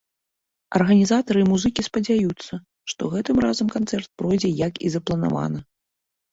Арганізатары і музыкі спадзяюцца, што гэтым разам канцэрт пройдзе, як і запланавана.